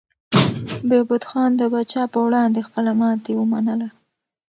بهبود خان د پاچا په وړاندې خپله ماتې ومنله.